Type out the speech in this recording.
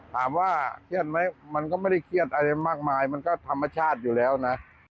ถามว่าเครียดไหมมันก็ไม่ได้เครียดอะไรมากมายมันก็ธรรมชาติอยู่แล้วนะ